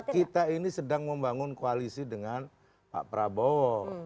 kita ini sedang membangun koalisi dengan pak prabowo